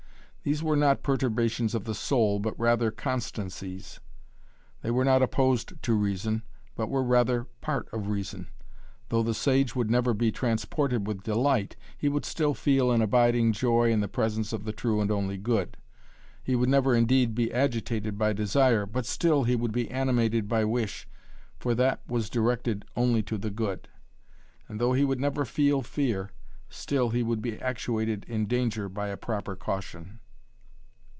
These were not perturbations of the soul, but rather 'constancies'; they were not opposed to reason, but were rather part of reason. Though the sage would never be transported with delight, he would still feel an abiding 'joy' in the presence of the true and only good; he would never indeed be agitated by desire, but still he would be animated by 'wish,' for that was directed only to the good; and though he would never feel fear still he would be actuated in danger by a proper caution.